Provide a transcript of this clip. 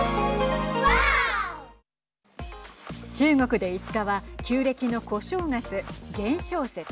中国で５日は旧暦の小正月、元宵節。